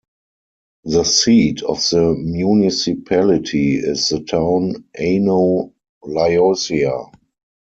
The seat of the municipality is the town Ano Liosia.